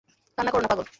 কান্না করো না, পাগল।